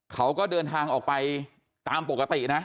เขาก็เดินทางออกไปตามปกตินะ